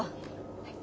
はい。